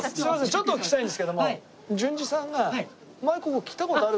ちょっとお聞きしたいんですけども純次さんが前ここ来た事ある？